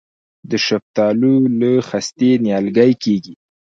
د شفتالو له خستې نیالګی کیږي؟